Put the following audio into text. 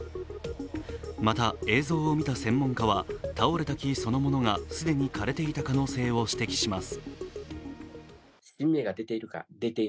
また、映像を見た専門家は倒れた木そのものが既に枯れていた可能性を指摘します。